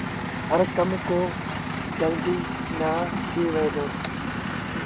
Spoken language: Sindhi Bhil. هر ڪو ڪم جلديٚ نيٚن ٿئي وهي دو۔